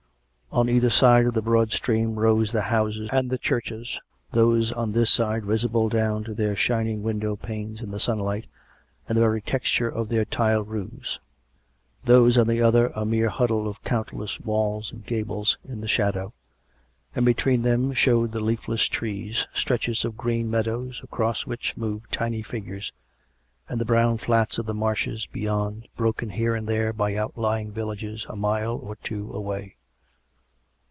On either side of the broad stream rose the houses and the churches, those on this side visible down to their shining window panes in the sunlight, and the very texture of their tiled roofs; those on the other a mere huddle of countless walls and gables, in the shadow; and between tliem showed the leafless trees, stretches of green meadow, across which moved tiny figures, and the brown flats of the marshes beyond, broken here and there by outlying villages a mile or two away.